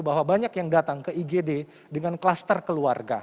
bahwa banyak yang datang ke igd dengan kluster keluarga